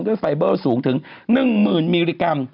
ไฟเบอร์สูงถึง๑๐๐๐มิลลิกรัม